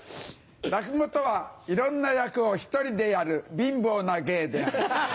落語とはいろんな役を１人でやる貧乏な芸である。